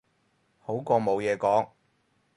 好過冇嘢講